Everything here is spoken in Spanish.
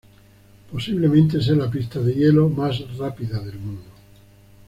Posiblemente sea la pista de hielo más rápida del mundo.